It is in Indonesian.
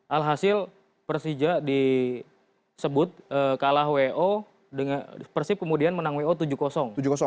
alhasil persija disebut kalah wo persib kemudian menang wo tujuh